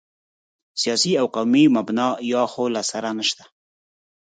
سیاسي او قومي مبنا یا خو له سره نشته.